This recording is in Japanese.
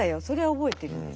それは覚えてる。